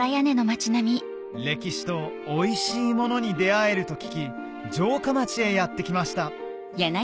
歴史とおいしいものに出合えると聞き城下町へやって来ました